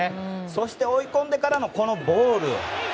そして追い込んでからのボール。